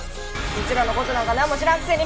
うちらの事なんかなんも知らんくせに。